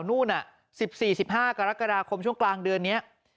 นู่น๑๔๑๕กรกฎาคมช่วงกลางเดือนนี้